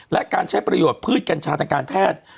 และการใช้ประโยชน์พืชกัญชาทางการแพทย์